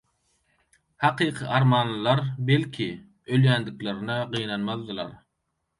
Hakyky armanlylar belki, ölýändiklerine gynanmazdylar.